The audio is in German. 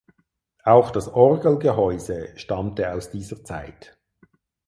Auch das Orgelgehäuse stammte aus dieser Zeit.